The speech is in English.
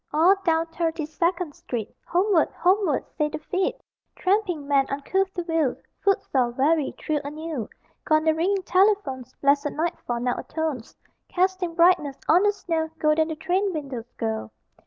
All down Thirty second Street Homeward, Homeward, say the feet! Tramping men, uncouth to view, Footsore, weary, thrill anew; Gone the ringing telephones, Blessed nightfall now atones, Casting brightness on the snow Golden the train windows go.